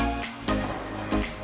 ketika berpikir kecepatan berpikir